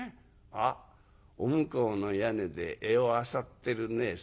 あっお向こうの屋根で餌をあさってるね。